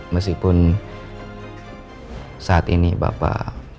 meskipun saat ini bapak